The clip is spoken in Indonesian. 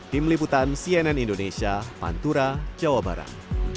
tim liputan cnn indonesia pantura jawa barat